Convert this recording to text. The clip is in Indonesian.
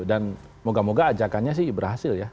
dan moga moga ajakannya sih berhasil ya